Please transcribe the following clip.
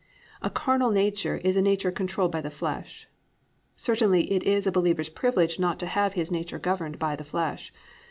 "A carnal nature" is a nature controlled by the flesh. Certainly it is a believer's privilege not to have his nature governed by the flesh.